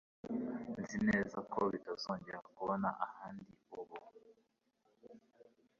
Nzi neza ko bitazagorana kubona ahandi uba